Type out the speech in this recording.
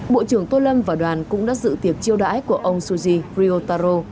bộ trưởng tô lâm và đoàn cũng đã dự tiệc chiêu đãi của ông suji ryotaro